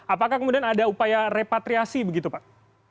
apakah kemudian ada upaya repatriasi begitu pak